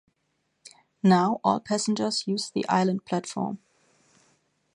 Now all passengers use the island platform.